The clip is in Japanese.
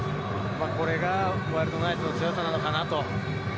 これがワイルドナイツの強さなのかな。